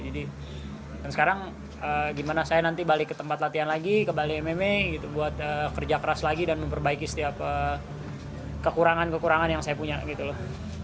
jadi sekarang gimana saya nanti balik ke tempat latihan lagi kembali mma gitu buat kerja keras lagi dan memperbaiki setiap kekurangan kekurangan yang saya punya gitu loh